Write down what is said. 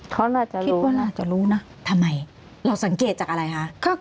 เขาน่าจะรู้นะทำไมเราสังเกตจากอะไรคะ